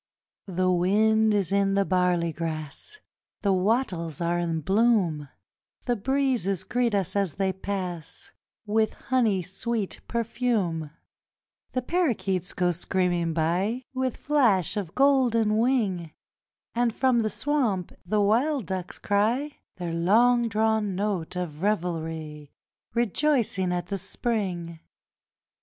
The wind is in the barley grass, The wattles are in bloom; The breezes greet us as they pass With honey sweet perfume; The parakeets go screaming by With flash of golden wing, And from the swamp the wild ducks cry Their long drawn note of revelry, Rejoicing at the Spring.